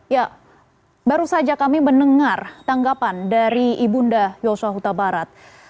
ya baru saja kami mendengar tanggapan dari ibunda yosua huta barat